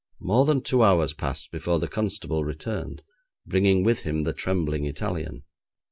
More than two hours passed before the constable returned, bringing with him the trembling Italian.